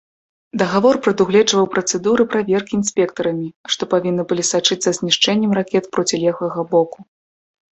Дагавор прадугледжваў працэдуры праверкі інспектарамі, што павінны былі сачыць за знішчэннем ракет процілеглага боку.